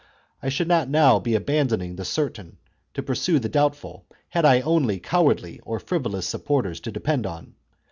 I should not now be abandoning the certain to pursue the doubtful had I only cowardly or frivolous supporters to depend on.